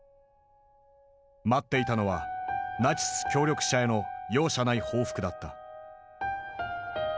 待っていたのはナチス協力者への容赦ない報復だった。